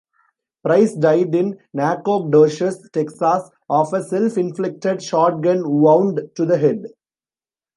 Price died in Nacogdoches, Texas, of a self-inflicted shotgun wound to the head.